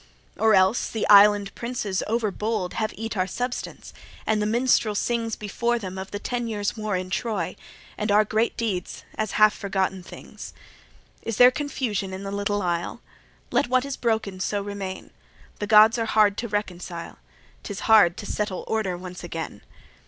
Or else the island princes over bold Have eat our substance, and the minstrel sings Before them of the ten years' war in Troy, And our great deeds, as half forgotten things. Is there confusion in the little isle? Let what is broken so remain. The Gods are hard to reconcile: 'Tis hard to settle order once again.